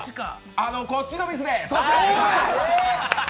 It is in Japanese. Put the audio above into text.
あの、こっちのミスです！